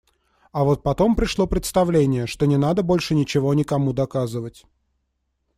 А вот потом пришло представление, что не надо больше ничего никому доказывать.